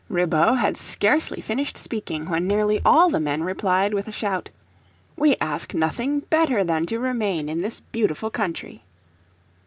Ribaut had scarcely finished speaking when nearly all the men replied with a shout, "We ask nothing better than to remain in this beautiful country."